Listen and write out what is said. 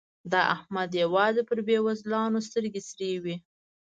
د احمد يوازې پر بېوزلانو سترګې سرې وي.